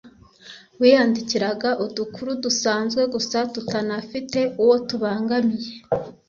wiyandikiraga udukuru dusanzwe gusa tutanafite uwo tubangamiye